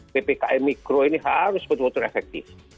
ppkm mikro ini harus betul betul efektif